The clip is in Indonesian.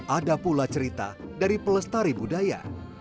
ada pula cerita dari pelestari budaya